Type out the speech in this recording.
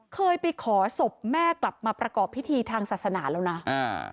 เคยไปขอศพแม่กลับมาประกอบพิธีทางศาสนาแล้วนะอ่า